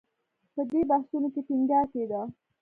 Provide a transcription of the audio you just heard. په دې بحثونو کې ټینګار کېده